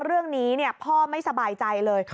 เรื่องนี้พ่อไม่สบายใจเลย